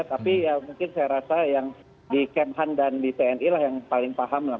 tapi ya mungkin saya rasa yang di kemhan dan di tni lah yang paling paham lah